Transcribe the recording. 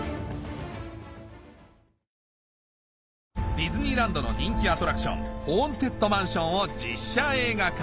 ディズニーランドの人気アトラクションホーンテッドマンションを実写映画化